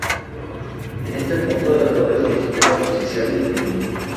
En este punto, la torre solicitó la posición del piloto.